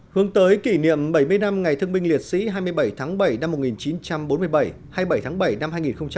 hướng tới kỷ niệm bảy mươi năm ngày thương binh liệt sĩ hai mươi bảy tháng bảy năm một nghìn chín trăm bốn mươi bảy hai mươi bảy tháng bảy năm hai nghìn hai mươi